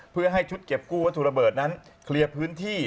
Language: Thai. เพื่อให้ชุดเก็บกู้วัตถุระเบิดนั้นเคลียร์พื้นที่